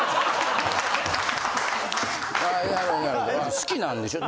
好きなんでしょうね。